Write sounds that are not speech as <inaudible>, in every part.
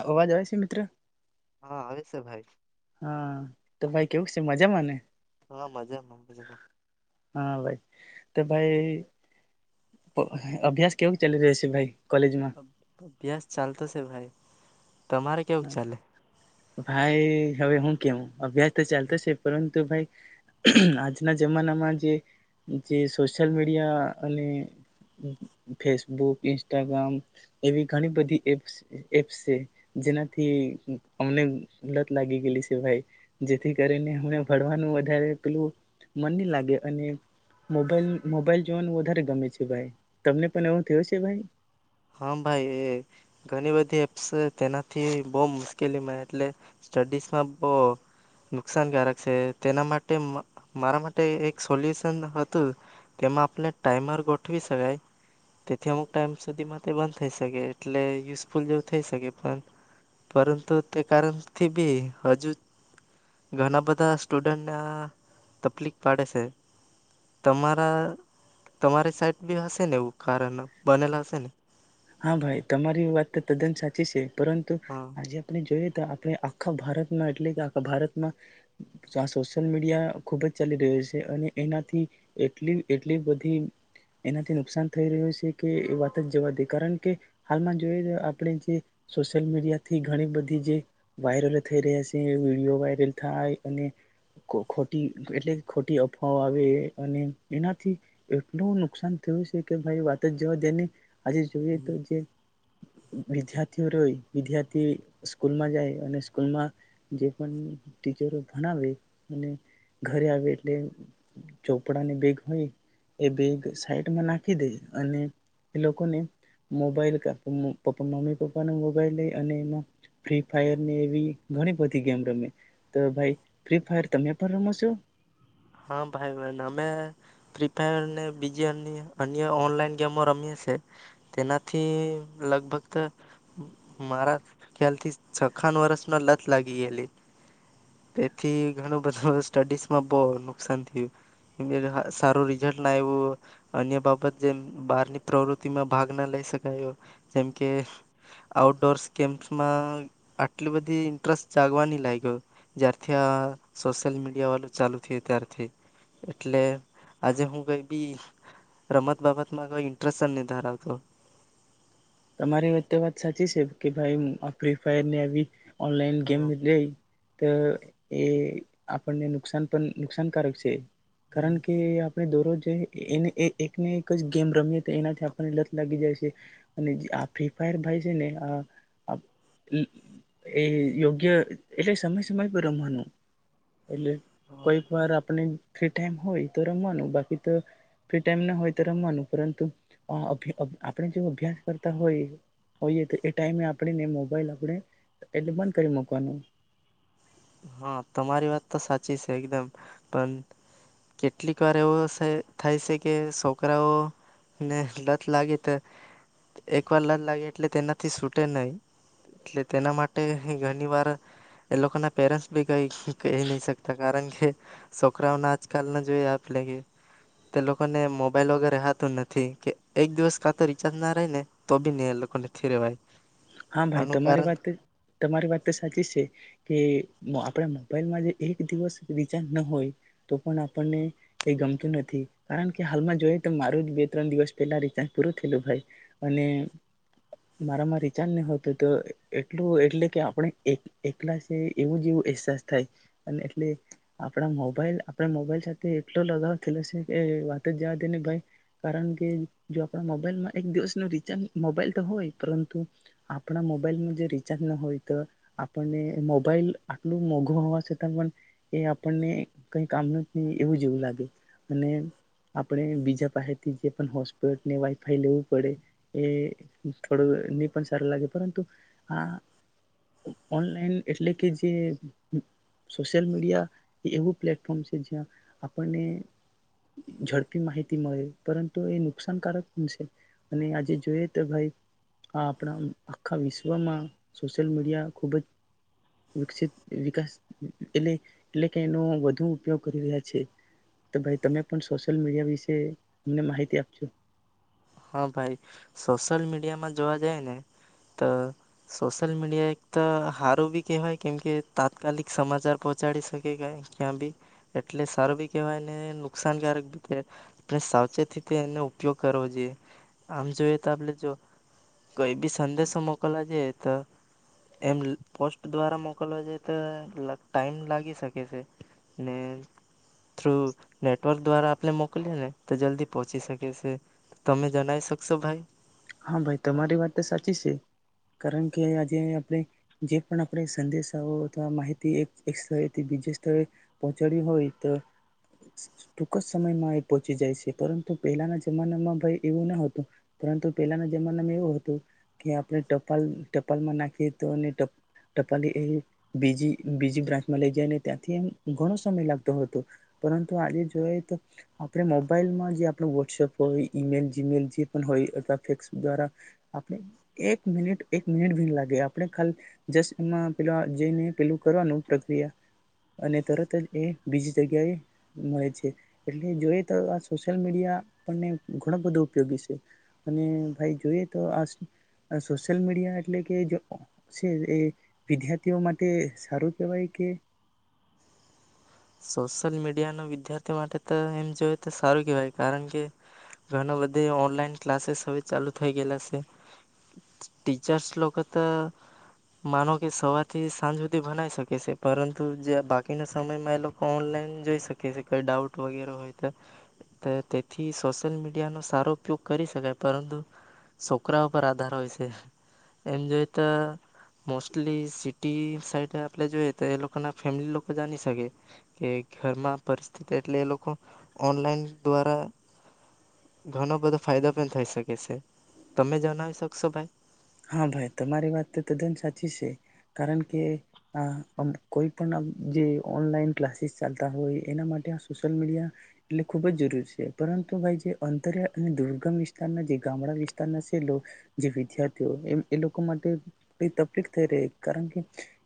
અવાજ આવે છે મિત્ર. હા આવે છે ભાઈ. હા તો ભાઈ કેવું છે મજામાં ને. હા મજામાં મજામાં. હા ભાઈ તો ભાઈ અભ્યાસ કેવું ચાલી રહ્યો છે ભાઈ. કોલેજમાં અભ્યાસ ચાલતો છે ભાઈ તમારે કેવું ચાલે. ભાઈ હવે હું કેવુ અભ્યાસ તો ચાલતો શે પરં તો ભાઈ આજના જમાનામાં જે જે સોશિયલ મીડિયા અને ફેસબુક ઇન્સ્ટાગ્રામ એવી ઘણી બધી એપ્સ એપ્સ છે. જેનાથી અમને લત લાગી ગયેલી છે ભાઈ જેથી કરીને અમને ભણવાનું વધારે પેલું મન ની લાગે અને મોબાઈલ મોબાઈલ જોવાનું વધારે ગમે છે ભાઈ તમને પણ એવું થયો છે ભાઈ. હા ભાઈ એ ઘણી બધી એપ્સ તેનાથી બહુ મુશ્કેલીમાં એટલે સ્ટડીઝમાં બો નુકસાનકારક છે તેના માટે માર મારા માટે એક સોલ્યુશન હતું તેમાં આપણે ટાઈમર ગોઠવી શકાય તેથી અમુક ટાઈમ સુધીમાં તે બંધ થઈ શકે એટલે યુસફુલ જેવું થઈ શકે. પન પરંતુ તે કારણથી બી હજુ ઘના બધા સ્ટુડન્ટને આ તપલીક પાડે છે. તમારા તમારી સાઈટ બી હશે ને એવું કારણ બનેલ હશે ને? હા ભાઈ તમારી વાત તો તદ્દન સાચી છે પરંતુ હા. આજે આપણે જોઈએ આપણે આખા ભારતમાં એટલે કે આખા ભારતમાં સોશિયલ મીડિયા ખુબ જ ચાલી રહ્યો છે અને એનાથી એટલી એટલી બધી એનાથી નુકસાન થઈ રહ્યું છે કે એ વાત જ જવા દે કારણ કે હાલમાં જોઈ તો આપણે જે સોશિયલ મીડિયાથી ઘણી બધી જે વાયરલ થઈ રહ્યા છે વિડીયો વાયરલ થાય અને ખોટી એટલે ખોટી અફવાઓ આવે અને એનાથી એટલું નુકસાન થયું છે કે ભાઈ વાત જ જવા દેની આજે જોઈ તો જે વિદ્યાર્થીઓ રહે વિદ્યાર્થી સ્કૂલમાં જાય અને સ્કૂલમાં જે પણ ટીચરો ભણાવે અને ઘરે આવે એટલે ચોપડાની બેગ હોય એ બેગ સાઈડમાં નાખી દે અને લો મોબાઈલ મમ્મી પપ્પાને મોબાઈલ લઈ અને એમાં ફ્રી ફાયર ને એવી ઘણી બધી ગેમ રમે તો ભાઈ ફ્રી ફાયર તમે પણ રમો છો હા ભાઈ બન અમે ફ્રી ફાયર બીજી અ અન્ય ઓનલાઈન ગેમો રમીએ છે તેનાથી લગભગ મારા ખ્યાલથી છખાાન વર્ષમાં લત લાગી ગયેલી તેથી ઘણું બધું સ્ટડીઝમાં સારું રિઝલ્ટ ના આવ્યું અન્ય બાબત જેમ બહારની પ્રવૃતિમાં ભાગ ના લઈ શકાયો જેમ કે આઉટડોર્સ ગેમ્સમાં આટલી બધી ઇન્ટરેસ્ટ જાગવાની લાગ્યો જ્યારથી આ સોશિયલ મીડિયા વાળું ચાલુ થય તાર ઠીક એટલે આજે હું કઈ બી રમત બાબતમાં કોઈ ઇન્ટરેસ્ટ જ ન ધરાવતો તમારી રીતે વાત સાચી છે કે ભાઈ આ ફ્રી ફાયરને એવી ઓનલાઈન ગેમ એટ તો એ આપણને નુકસાન પણ નુકસાનકારક છે કારણ કે આપણે દોરોજ એને એકને એક જ ગેમ રમીએ તો એનાથી આપણને લત લાગી જાય છે અને આ ફ્રી ફાયર ભાઈ છે ને આ એ યોગ્ય એટલે સમય સમય પર રમવાનું એટલે કોઈક વાર આપણી ફ્રી ટાઈમ હોય તો રમવાનું બાકી તો ફ્રી ટાઈમ ના હોય તો રમવાનું પરંતુ અભ આપણે જો અભ્યાસ હો તો એ ટાઈમે આપને મોબાઈલ આપણે એ બંધ કરી મકવાનું હા તમારી વાત તો સાચી છે એકદમ પણ કેટલીક વાર એવો થાય છે કે છોકરાઓ ને લત લાગે તો એક વાર લત લાગે એટલે તેનાથી છૂટે નહી એટલે તેના માટે ઘણી વાર એ લોકોના પેરાસ બે કઈ કહી નહી શકતા કારણ કે છોકરાઓ ના આજકાલ ના જોઈ આપડે કે તે લોકોને મોબાઈલ વગેરે રેહા તું નથી કે એક દિવસ કાં તો રિચાર્જ ના રાય ને તો બી ને એ લોકોને થી રવાય હા ભાઈ તમારી વાત તમારી વાત તો સાચી છે કે આપણા મોબાઈલમાં જે એક દિવસ રિચાર્જ ના હોય તો પણ આપણને એ ગમતું નથી કારણ કે હાલમાં જોઈએ તો માર જ બે ત્રણ દિવસ પહેલા રિચાર્જ પૂરું થયેલું ભાઈ અને મારામાં રીચાજ નહીત તો એટલું એટલે કે આપણે એક એકલા છે એવું જ એવું અહેસાસ થાય અને એટલે આપણા મોબાઈલ આપણે મોબાઈલ સાથે એટલો લગાવ થયેલો છે કે વાતો જવા દે ને ભાઈ કારણ કે જો આપણા મોબાઈલમાં એક દિવસનો રીચાર્જ મોબાઈલ તો હોય પરંતુ આપણા મોબાઈલમાં જો રિચાર્જ ના હોય તો આપણને મોબાઈલ આટલું મોઘું હોવા છતાં પણ એ આપણને કઈ કામ ન ન એવું જેવું લાગે અને આપણે બીજા પાહે થી જે હોસપોટ ને વાઈફાઈ લેવું પડે એ થોડું પણ સારું લાગે પરંતુ આ ઓનલાઈન એટલે કે જે સોશિયલ મીડિયા એ એવું પ્લેટફોર્મ છે જ્યાં આપણને ઝડપી માહિતી મળે પરંતુ એ નુકસાનકારક પણ છે અને આજે જોઈએ તો ભાઈ હા આપણા આખા વિશ્વમાં સોશિયલ મીડિયા ખૂબ જ વિકસિત વિકાસ એ એટલે કે એનો વધુ ઉપયોગ કરી રહ્યા છે તો ભાઈ તમે પણ સોશિયલ મીડિયા વિશે અમને માહિતી આપજો હા ભાઈ સોશિયલ મીડિયામાં જોવા જાય ને તો સોશિયલ મીડિયા એક તો સારું બી કહેવાય કેમ કે તાત્કાલિક સમાચાર પહોંચાડી શકે ક ક્યાં બી એટલે સારું બી કહેવાય ને નુકસાનકારક બીતે આપણે સાવચેતીથી તે એનો ઉપ ઉપયોગ કરવો જોયે આમ જોઈએ તો આપણે જો કઈ બી સંદેશો મોકલવા જઈએ તો એમ પોસ્ટ દ્વારા મોકલવા જઈએ તો ટાઈમ લાગી શકે છે ને થ્રુ નેટવર્ક દ્વારા આપણે મોકલીએ ને તો જલ્દી પોહોંચી શકે છે તમે જણાવ શકશો ભાઈ હા ભાઈ તમારી વાત તો સાચી છે કારણ કે આજે આપણે જે પણ આપણે સંદેશાઓ અથવા માહિતી એક એક સ્થળેથી બીજા સ્થળે પહોંચાડી હોય તો ટૂંક જ સમયમાં એ પહોંચી જાય છે પરંતુ પહેલાના જમાનામાં ભાઈ એવું ન હતું પરંતુ પહેલાના જમાનામાં એવું હતું કે આપણે ટપાલ ટપાલમાં નાખીએ તો અને ટપાલ એ બીજી બીજી બ્રાન્ચમાં લઈ જઈ અને ત્યાંથી એમ ઘણો સમય લાગતો હતો પરંતુ આજે જોઈએ તો આપણે મોબાઈલમાં જે આપણ વોટ્સઅપ હોય ઈમેલ જીમેલ જે પણ હોય અથવા દ્વારા આપણે એક મિનિટ એક મિનિટ ભીન લાગે આપણે ખ જસ એમાં પે જઈને પેલું કરવાનું પ્રક્રિયા અને તરત જ એ બીજી જગ્યાએ મળે છે એટલે જો તો આ સોશિયલ મીડિયા આપડે ઘણ બધો ઉપયોગી છે અને ભાઈ જોઈએ તો આ સોશિયલ મીડિયા એટલે કે છે એ વિદ્યાર્થીઓ માટે સારું કેહેવાય કે સોશિયલ મીડિયાના વિદ્યાર્થીઓ માટે તો એમ જોય તો સારું કેહેવાય. કારણ કે ઘણા બધે ઓનલાઈન ક્લાસીસ હવે ચાલુ થઈ ગયેલા છે. ટીચર્સ લોકો તો માનો કે સવારથી સાંજ સુધ ભનાઈ શકે છે પરંતુ જે બાકીના સમયમાં એ લોક ઓનલાઈન જોઈ શકીએ છે કોઈ ડાઉટ વગેરે હોય તો તેથી સોશિયલ મીડિયાનો સારો ઉપયોગ કરી શકાય. પરંતુ છોકરા પર આધાર હોય શે. એમ જોઈ તો મોસ્ટલી સિટી સાઈડમાં આપણે જોઈએ તો એ લોકો ના ફેમિલી લોકો જાણી શકે કે ઘરમાં પરિસ્થિતિ એટલે એ લોકો ઓનલાઈન દ્વારા ઘણો બધો ફાયદો પણ થઈ શકે શે. તમે જણાવી શકશો ભાઈ? હા ભાઈ તમારી વાત તદ્દન સાચી શે. કારણ કે આમ કોઈ પણ જે ઓનલાઈન ક્લાસીસ ચાલતા હોય એના માટે આ સોશિયલ મીડિયા એટલે ખૂબ જ જરૂરી છે પરંતુ ભાઈ જે અંતરિયા અને દુર્ગમ વિસ્તારના જે ગામડા વિસ્તારના છેલો જે વિદાર્ એ લોકો માટે તકલીફ થઈ રહી. કારણ કે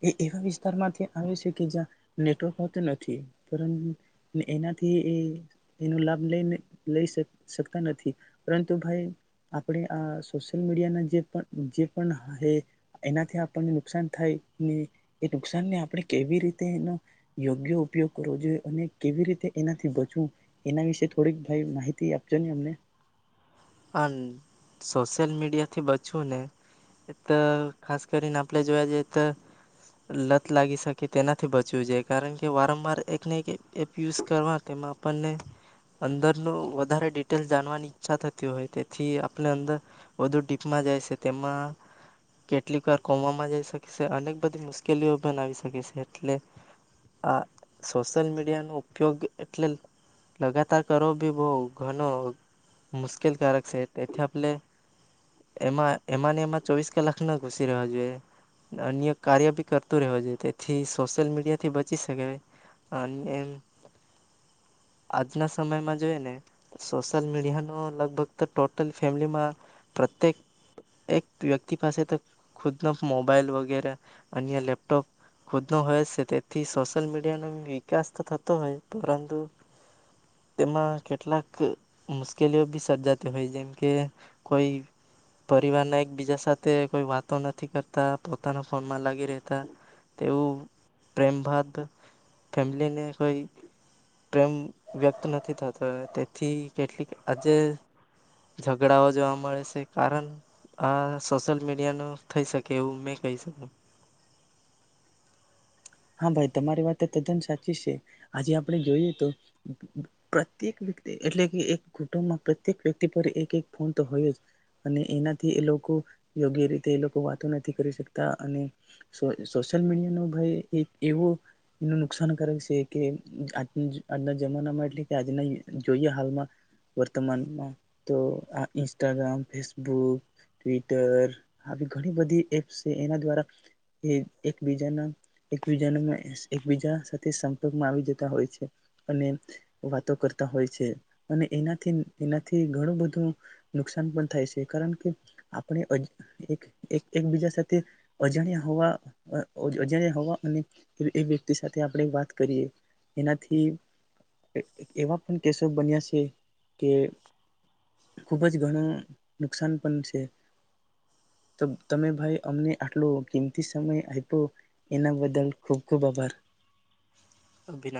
એ એવા વિસ્તારમાંથી આવે શે કે જ્યાં નેટવર્ક હોતો નથી. એનાથી એ એનો લાભ લઈને લઈ શકતા નથી. પરંતુ ભાઈ આપણે આ સોશયલ મીડિયાના ને જે પણ જે પણ હ એનાથી આપણને નુકસાન થાય ને એ નુકસાનને આપણે કેવી રીતે એનો યોગ્ય ઉપયોગ કરવો જોઈએ અને કેવી રીતે એનાથી બચવું એના વિશે થોડીક ભાઈ માહિતી આપજો ને અમને. આ સોશિયલ મીડિયાથી બચવું ને એ તો ખાસ કરીને આપણે જોયા જઈએ તો લત લાગી શકે તેનાથી બચવું જોઈ કારણ કે વારંવાર એકને એક એપ યુઝ કરવા તેમાં આપણને અંદરનું વધારે ડિટેલસ જાણવાની ઈચ્છા થતી હોય તેથી આપને અંદર વધુ ડીપમાં જાય છે તેમાં કેટલીક વાર કોમવામાં જાય શકે છે અનેક બધી મુશ્કેલીઓ પણ આવી શકે છે એટલે આ સોશિયલ મીડિયાનો ઉપયોગ એટલે લગાતાર કરો બી બવ ઘણો મુશ્કેલકારક શે. તેથી આપણે એમાં એમાંને એમાં ચોવીસ કલાક ન ઘુસી રહેવા જોઈએ અન્ય કાર્ય બી કરતું રહેવું જોઈએ તેથી સોશિયલ મીડિયાથી બચી શકે અને એમ આજના સમયમાં જોઈએ ને સોશિયલ મીડિયા લગભગ તો ટોટલ ફેમિલીમાં પ્રત્યેક એક વ્યક્તિ પાસે તો ખુદનો મોબાઈલ વગેરે અન્ય લેપટોપ ખુદનો હોય શે. તેથી સોશલ મીડિયાનો વિકાસ તો થતો હોય પરંતુ તેમાં કેટલાક મુશ્ મુશ્કેલીઓ બી સર્જાતી હોય. જેમકે કોઈ પરિવારના એકબીજા સાથે કોઈ વાતો નથી કરતા પોતાના ફોનમાં લાગી રહેતા તેવું પ્રેમ બાદ ફેમિલીને કોઈ પ્રેમ વ્યક્ત નથી થતો તેથી કેટલીક આજે ઝઘડાઓ જોવા મળે શે. કારણ આ સોશિયલ મીડિયા નું થઈ શકે એવું મેં કહી શકું. હા ભાઈ તમારી વાત તદ્દન સાચી છે આજે આપણે જોઈએ તો પ્રત્યેક વ્યક્તિ એટલે કે એક કુટુંબમાં પ્રત્યેક વ્યક્તિ પર એક એક ફોન તો હોય જ અને એનાથી એ લોકો યોગ્ય રીતે એ લોકો વાતો નથી કરી શકતા અને સો સોશિયલ મીડિયા ન ભાઈ એક એવું એનું નુકસાનકારક શે કે આજના જમાનામાં એટલે કે આજના જોઈએ હાલમાં વર્તમાનમાં તો આ ઇન્સ્ટાગ્રામ, ફેસબુક, ટ્વિટર આવી ઘણી બધી એપ્સ છે એના દ્વારા એ એકબીજાના એકજા એકબીજા સાથે સંપર્કમાં આવી જતા હોય છે અને વાતો કરતા હોય છે અને એનાથી એનાથી ઘણું બધું નુકસાન પણ થાય શે. કારણ કે આપણે એકબીજા સાથે અજાણ્યા હોવા અજાણ્યા હોવા એ વ્યક્તિ સાથે આપણે વાત કરીએ એનાથી એવા પણ કેસો બન્યા છે કે ખુબ જ ઘણું નુકસાન પણ છે તમે ભાઈ અમને આટલો કિંમતી સમય આપ્યો એના દલ ખૂબ ખૂબ આભાર. <unintelligible>